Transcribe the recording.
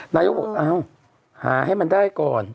นายกบอกเอ้าหาให้มันได้ก่อน